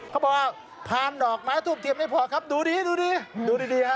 เขาบอกว่าพานหนอกไม้ถูกเทียบไม่พอครับดูดีครับ